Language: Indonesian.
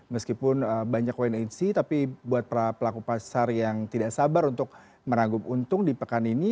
meskipun banyak wnac tapi buat para pelaku pasar yang tidak sabar untuk meragup untung di pekan ini